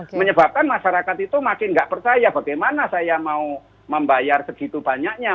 yang menyebabkan masyarakat itu makin nggak percaya bagaimana saya mau membayar segitu banyaknya